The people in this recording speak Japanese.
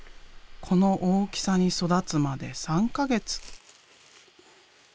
この大きさに育つまで３か月。